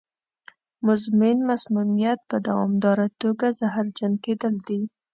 مزمن مسمومیت په دوامداره توګه زهرجن کېدل دي.